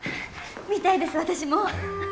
見たいです私も。